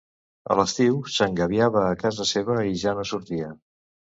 A l'estiu s'engabiava a casa seva i ja no sortia.